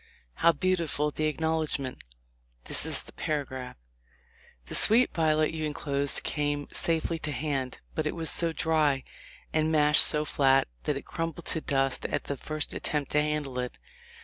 How beautiful the acknowledg ment !" This is a paragraph : "The sweet violet you enclosed came safely to hand, but it was so dry, and mashed so flat, that it crumbled to dust at the first attempt to handle it.